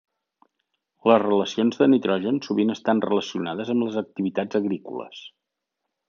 Les relacions de nitrogen sovint estan relacionades amb les activitats agrícoles.